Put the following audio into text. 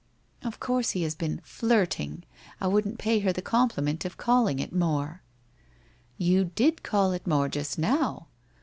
' Of course he has been " flirting," I wouldn't pay her the compliment of calling it more.' ' You did call it more just now.